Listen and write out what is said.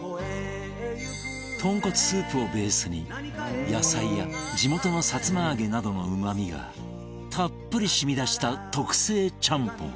豚骨スープをベースに野菜や地元のさつま揚げなどのうま味がたっぷり染み出した特製ちゃんぽん